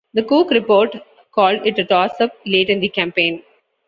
The Cook Report called it a toss-up late in the campaign.